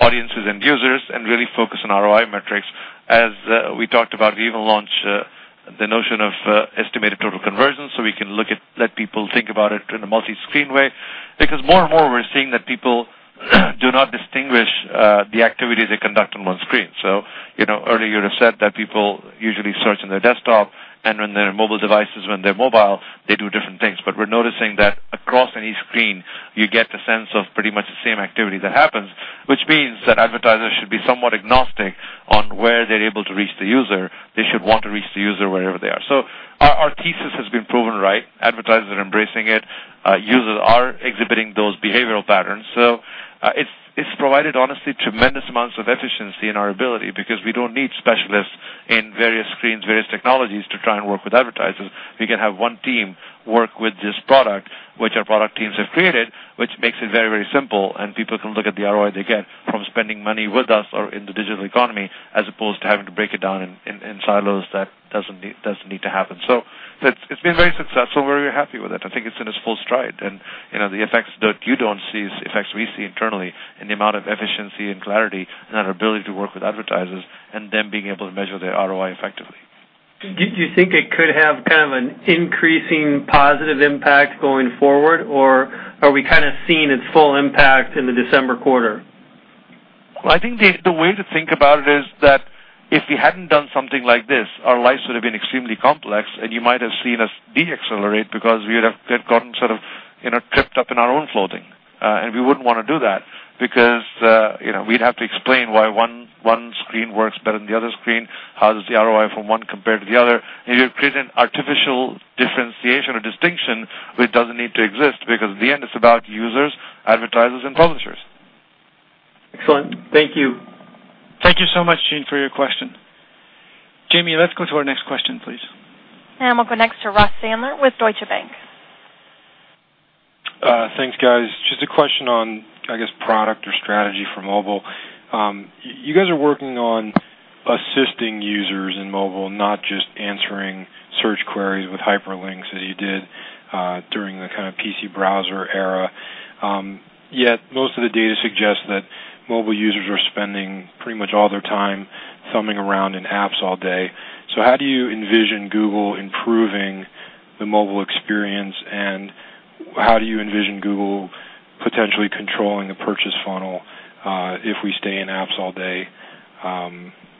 audiences and users and really focus on ROI metrics. As we talked about, we even launched the notion of estimated total conversions so we can let people think about it in a multi-screen way. Because more and more, we're seeing that people do not distinguish the activities they conduct on one screen. So earlier, you had said that people usually search on their desktop, and on their mobile devices, when they're mobile, they do different things. But we're noticing that across any screen, you get a sense of pretty much the same activity that happens, which means that advertisers should be somewhat agnostic on where they're able to reach the user. They should want to reach the user wherever they are. So our thesis has been proven right. Advertisers are embracing it. Users are exhibiting those behavioral patterns. So it's provided, honestly, tremendous amounts of efficiency in our ability because we don't need specialists in various screens, various technologies to try and work with advertisers. We can have one team work with this product, which our product teams have created, which makes it very, very simple, and people can look at the ROI they get from spending money with us or in the digital economy as opposed to having to break it down in silos. That doesn't need to happen. So it's been very successful. We're very happy with it. I think it's in its full stride, and the effects that you don't see is effects we see internally in the amount of efficiency and clarity and our ability to work with advertisers and them being able to measure their ROI effectively. Do you think it could have kind of an increasing positive impact going forward, or are we kind of seeing its full impact in the December quarter? I think the way to think about it is that if we hadn't done something like this, our lives would have been extremely complex, and you might have seen us de-accelerate because we would have gotten sort of tripped up in our own footing. We wouldn't want to do that because we'd have to explain why one screen works better than the other screen, how does the ROI from one compare to the other. You're creating an artificial differentiation or distinction which doesn't need to exist because at the end, it's about users, advertisers, and publishers. Excellent. Thank you. Thank you so much, Gene, for your question. Jane, let's go to our next question, please. We'll go next to Ross Sandler with Deutsche Bank. Thanks, guys. Just a question on, I guess, product or strategy for mobile. You guys are working on assisting users in mobile, not just answering search queries with hyperlinks as you did during the kind of PC browser era. Yet most of the data suggests that mobile users are spending pretty much all their time thumbing around in apps all day. So how do you envision Google improving the mobile experience, and how do you envision Google potentially controlling the purchase funnel if we stay in apps all day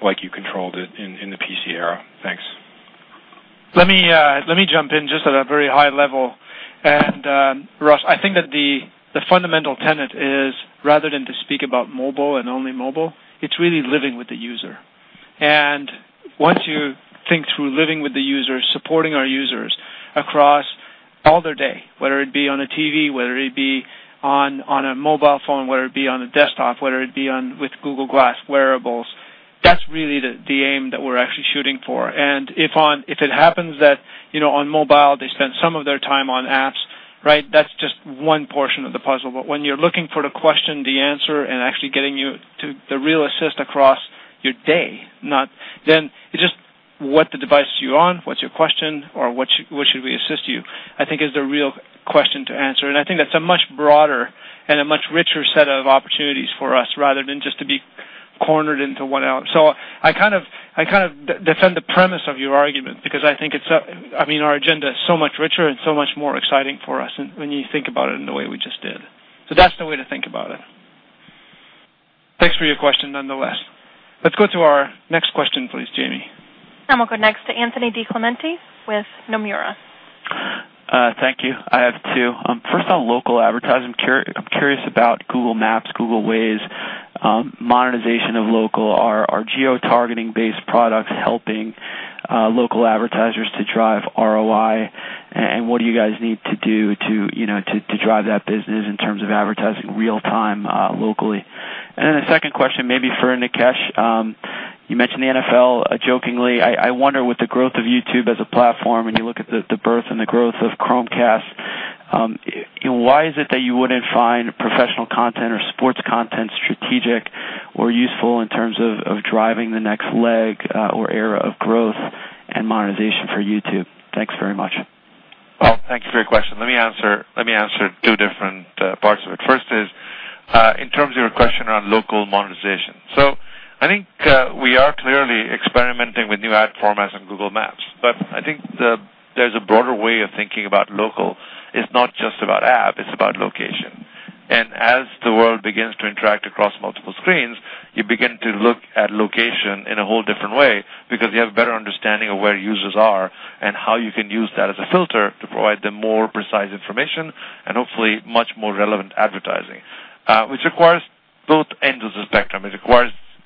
like you controlled it in the PC era? Thanks. Let me jump in just at a very high level. And Ross, I think that the fundamental tenet is rather than to speak about mobile and only mobile, it's really living with the user. And once you think through living with the users, supporting our users across all their day, whether it be on a TV, whether it be on a mobile phone, whether it be on a desktop, whether it be with Google Glass, wearables, that's really the aim that we're actually shooting for. And if it happens that on mobile, they spend some of their time on apps, right, that's just one portion of the puzzle. But when you're looking for the question, the answer, and actually getting you to the real assist across your day, then it's just what device are you on? What's your question? Or what should we assist you? I think that is the real question to answer, and I think that's a much broader and a much richer set of opportunities for us rather than just to be cornered into one element, so I kind of defend the premise of your argument because I think it's, I mean, our agenda is so much richer and so much more exciting for us when you think about it in the way we just did, so that's the way to think about it. Thanks for your question, nonetheless. Let's go to our next question, please, Jamie. We'll go next to Anthony DiClemente with Nomura. Thank you. I have two. First, on local advertising, I'm curious about Google Maps, Google Waze, monetization of local, our geo-targeting-based products helping local advertisers to drive ROI, and what do you guys need to do to drive that business in terms of advertising real-time locally? And then a second question, maybe for Nikesh. You mentioned the NFL jokingly. I wonder with the growth of YouTube as a platform, and you look at the birth and the growth of Chromecast, why is it that you wouldn't find professional content or sports content strategic or useful in terms of driving the next leg or era of growth and monetization for YouTube? Thanks very much. Thank you for your question. Let me answer two different parts of it. First is in terms of your question around local monetization. So I think we are clearly experimenting with new ad formats on Google Maps, but I think there's a broader way of thinking about local. It's not just about ads. It's about location. And as the world begins to interact across multiple screens, you begin to look at location in a whole different way because you have a better understanding of where users are and how you can use that as a filter to provide them more precise information and hopefully much more relevant advertising, which requires both ends of the spectrum. It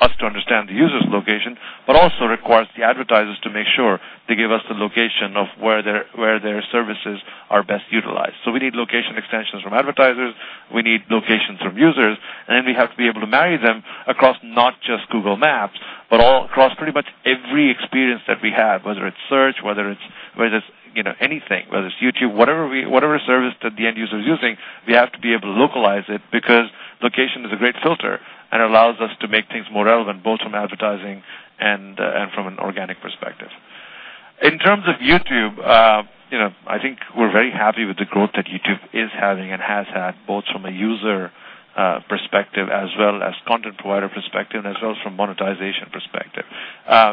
requires us to understand the user's location, but also requires the advertisers to make sure they give us the location of where their services are best utilized. So we need location extensions from advertisers. We need locations from users. And then we have to be able to marry them across not just Google Maps, but across pretty much every experience that we have, whether it's search, whether it's anything, whether it's YouTube, whatever service that the end user is using, we have to be able to localize it because location is a great filter and allows us to make things more relevant both from advertising and from an organic perspective. In terms of YouTube, I think we're very happy with the growth that YouTube is having and has had both from a user perspective as well as content provider perspective and as well as from monetization perspective.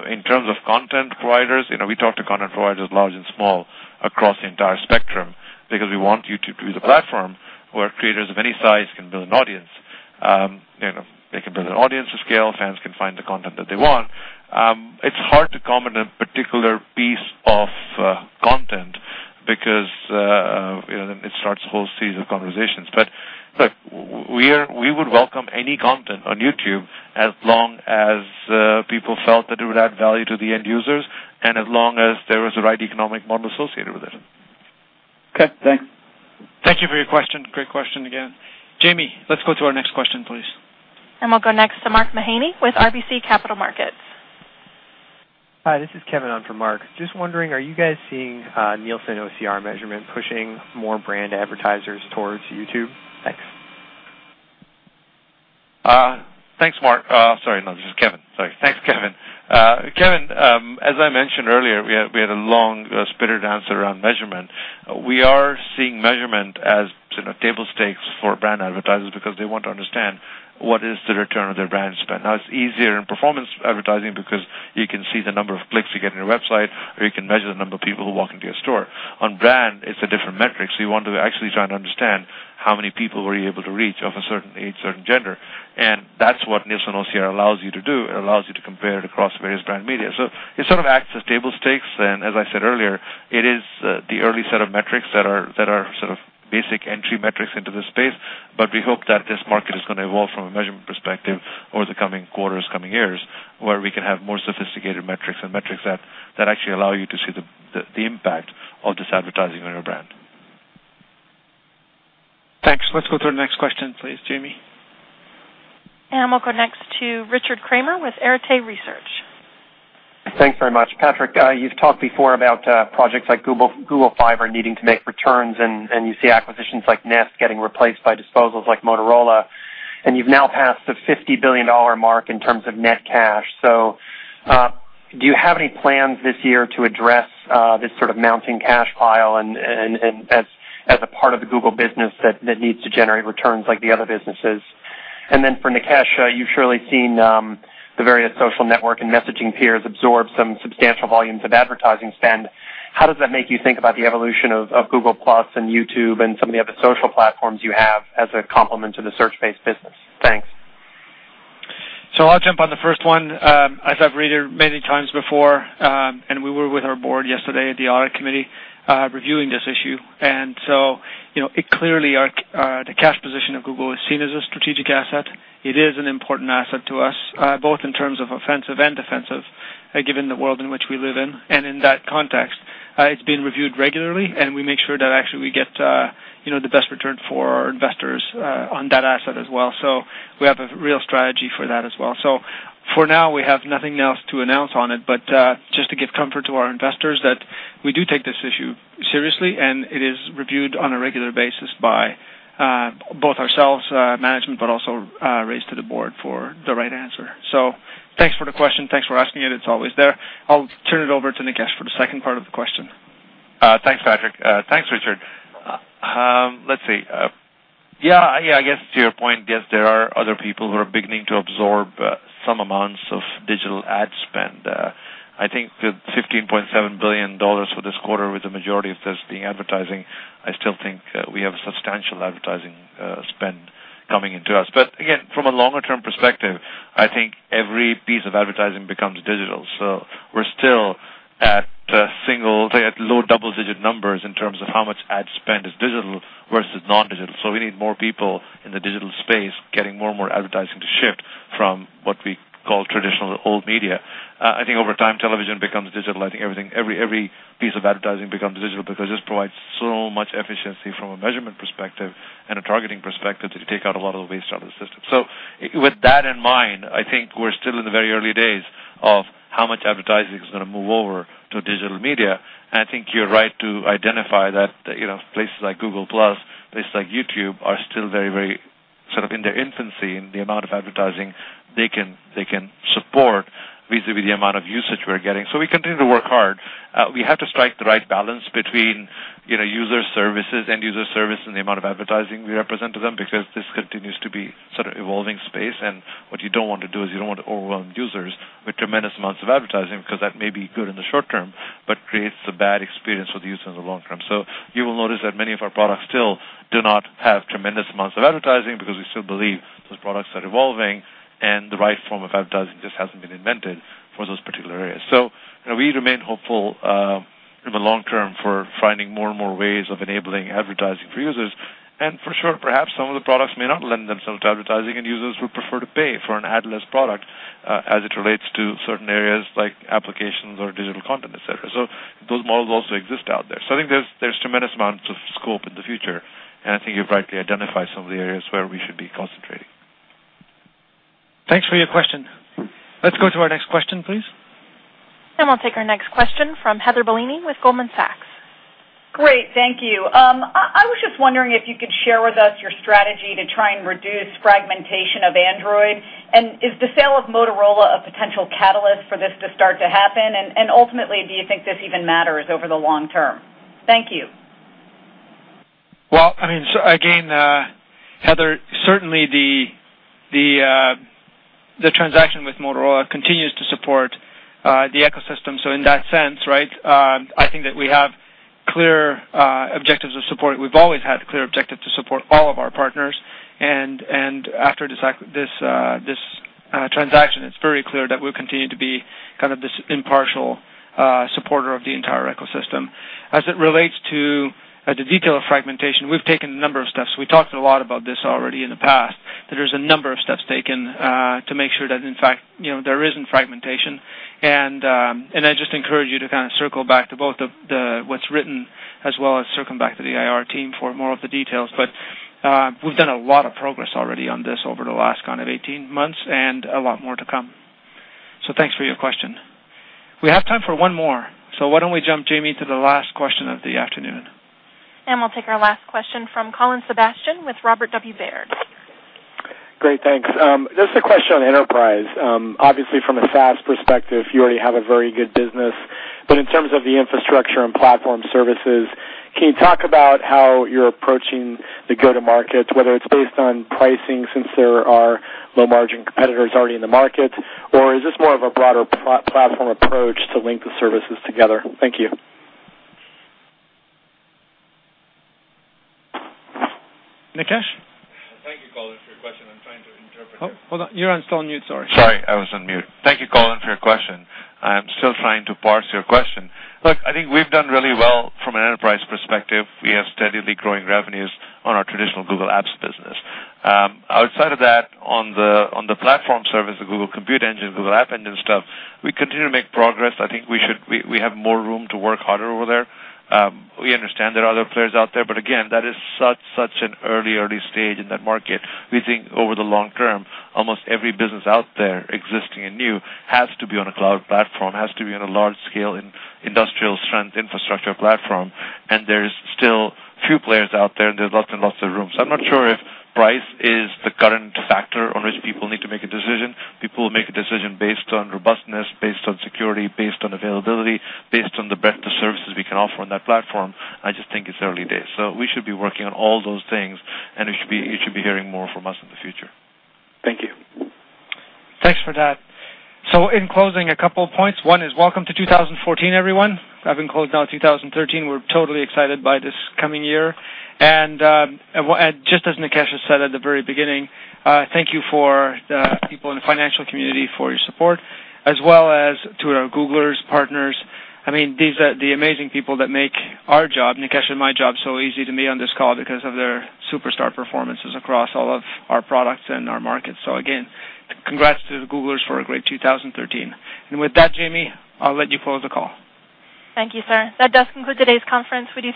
In terms of content providers, we talk to content providers large and small across the entire spectrum because we want YouTube to be the platform where creators of any size can build an audience. They can build an audience to scale. Fans can find the content that they want. It's hard to comment on a particular piece of content because then it starts a whole series of conversations. But look, we would welcome any content on YouTube as long as people felt that it would add value to the end users and as long as there was the right economic model associated with it. Okay. Thanks. Thank you for your question. Great question again. Jamie, let's go to our next question, please. We'll go next to Mark Mahaney with RBC Capital Markets. Hi, this is Kevin on for Mark. Just wondering, are you guys seeing Nielsen OCR measurement pushing more brand advertisers towards YouTube? Thanks. Thanks, Mark. Sorry, no, this is Kevin. Sorry. Thanks, Kevin. Kevin, as I mentioned earlier, we had a long, spirited answer around measurement. We are seeing measurement as table stakes for brand advertisers because they want to understand what is the return on their brand spend. Now, it's easier in performance advertising because you can see the number of clicks you get on your website, or you can measure the number of people who walk into your store. On brand, it's a different metric. So you want to actually try and understand how many people were you able to reach of a certain age, certain gender. And that's what Nielsen OCR allows you to do. It allows you to compare it across various brand media. So it sort of acts as table stakes. As I said earlier, it is the early set of metrics that are sort of basic entry metrics into this space. We hope that this market is going to evolve from a measurement perspective over the coming quarters, coming years, where we can have more sophisticated metrics and metrics that actually allow you to see the impact of this advertising on your brand. Thanks. Let's go to our next question, please, Jamie. We'll go next to Richard Kramer with Arete Research. Thanks very much. Patrick, you've talked before about projects like Google Fiber needing to make returns, and you see acquisitions like Nest getting replaced by disposals like Motorola. And you've now passed the $50 billion mark in terms of net cash. So do you have any plans this year to address this sort of mounting cash pile as a part of the Google business that needs to generate returns like the other businesses? And then for Nikesh, you've surely seen the various social network and messaging peers absorb some substantial volumes of advertising spend. How does that make you think about the evolution of Google+ and YouTube and some of the other social platforms you have as a complement to the search-based business? Thanks. So I'll jump on the first one. As I've read it many times before, and we were with our board yesterday at the audit committee reviewing this issue. And so clearly, the cash position of Google is seen as a strategic asset. It is an important asset to us, both in terms of offensive and defensive, given the world in which we live in. And in that context, it's been reviewed regularly, and we make sure that actually we get the best return for our investors on that asset as well. So we have a real strategy for that as well. So for now, we have nothing else to announce on it, but just to give comfort to our investors that we do take this issue seriously, and it is reviewed on a regular basis by both ourselves, management, but also raised to the board for the right answer. Thanks for the question. Thanks for asking it. It's always there. I'll turn it over to Nikesh for the second part of the question. Thanks, Patrick. Thanks, Richard. Let's see. Yeah, yeah, I guess to your point, yes, there are other people who are beginning to absorb some amounts of digital ad spend. I think the $15.7 billion for this quarter, with the majority of this being advertising, I still think we have substantial advertising spend coming into us. But again, from a longer-term perspective, I think every piece of advertising becomes digital. So we're still at low double-digit numbers in terms of how much ad spend is digital versus non-digital. So we need more people in the digital space getting more and more advertising to shift from what we call traditional old media. I think over time, television becomes digital. I think every piece of advertising becomes digital because this provides so much efficiency from a measurement perspective and a targeting perspective that you take out a lot of the waste out of the system. So with that in mind, I think we're still in the very early days of how much advertising is going to move over to digital media. I think you're right to identify that places like Google+, places like YouTube are still very, very sort of in their infancy in the amount of advertising they can support vis-à-vis the amount of usage we're getting. So we continue to work hard. We have to strike the right balance between user services and user service and the amount of advertising we represent to them because this continues to be sort of an evolving space. What you don't want to do is you don't want to overwhelm users with tremendous amounts of advertising because that may be good in the short term, but creates a bad experience for the user in the long term. You will notice that many of our products still do not have tremendous amounts of advertising because we still believe those products are evolving, and the right form of advertising just hasn't been invented for those particular areas. We remain hopeful in the long term for finding more and more ways of enabling advertising for users. For sure, perhaps some of the products may not lend themselves to advertising, and users would prefer to pay for an ad-less product as it relates to certain areas like applications or digital content, etc. Those models also exist out there. So I think there's tremendous amounts of scope in the future. And I think you've rightly identified some of the areas where we should be concentrating. Thanks for your question. Let's go to our next question, please. We'll take our next question from Heather Bellini with Goldman Sachs. Great. Thank you. I was just wondering if you could share with us your strategy to try and reduce fragmentation of Android, and is the sale of Motorola a potential catalyst for this to start to happen, and ultimately, do you think this even matters over the long term? Thank you. I mean, again, Heather, certainly the transaction with Motorola continues to support the ecosystem. So in that sense, right, I think that we have clear objectives of support. We've always had clear objectives to support all of our partners. And after this transaction, it's very clear that we'll continue to be kind of this impartial supporter of the entire ecosystem. As it relates to the detail of fragmentation, we've taken a number of steps. We talked a lot about this already in the past, that there's a number of steps taken to make sure that, in fact, there isn't fragmentation. And I just encourage you to kind of circle back to both what's written as well as circle back to the IR team for more of the details. But we've done a lot of progress already on this over the last kind of 18 months and a lot more to come. So thanks for your question. We have time for one more. So why don't we jump, Jamie, to the last question of the afternoon? And we'll take our last question from Colin Sebastian with Robert W. Baird. Great. Thanks. This is a question on enterprise. Obviously, from a SaaS perspective, you already have a very good business. But in terms of the infrastructure and platform services, can you talk about how you're approaching the go-to-market, whether it's based on pricing since there are low-margin competitors already in the market, or is this more of a broader platform approach to link the services together? Thank you. Nikesh? Thank you, Colin, for your question. I'm trying to interpret. Oh, hold on. You're still on mute. Sorry. Sorry. I was on mute. Thank you, Colin, for your question. I'm still trying to parse your question. Look, I think we've done really well from an enterprise perspective. We have steadily growing revenues on our traditional Google Apps business. Outside of that, on the platform service, the Google Compute Engine, Google App Engine stuff, we continue to make progress. I think we have more room to work harder over there. We understand there are other players out there. But again, that is such an early, early stage in that market. We think over the long term, almost every business out there existing and new has to be on a cloud platform, has to be on a large-scale industrial strength infrastructure platform. And there's still few players out there, and there's lots and lots of room. I'm not sure if price is the current factor on which people need to make a decision. People will make a decision based on robustness, based on security, based on availability, based on the breadth of services we can offer on that platform. I just think it's early days. We should be working on all those things, and you should be hearing more from us in the future. Thank you. Thanks for that. So in closing, a couple of points. One is, welcome to 2014, everyone. We've closed now to 2013. We're totally excited by this coming year. And just as Nikesh has said at the very beginning, thank you to the people in the financial community for your support, as well as to our Googlers and partners. I mean, these are the amazing people that make our job, Nikesh and my job, so easy to me on this call because of their superstar performances across all of our products and our markets. So again, congrats to the Googlers for a great 2013. And with that, Jamie, I'll let you close the call. Thank you, sir. That does conclude today's conference. We do.